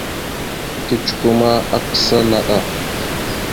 Kecikwe ma, akǝsa naɗ a.